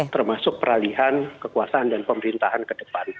termasuk peralihan kekuasaan dan pemerintahan ke depan